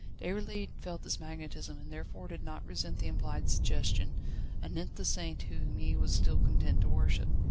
Déroulède felt this magnetism, and therefore did not resent the implied suggestion, anent the saint whom he was still content to worship.